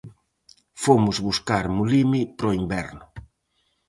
Fomos buscar mulime para o inverno.